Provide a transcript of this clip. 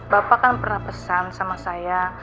bapak kan pernah pesan sama saya